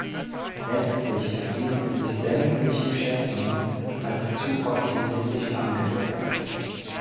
Letztlich erwiesen sich sämtliche Schätzungen als zu optimistisch angesetzt.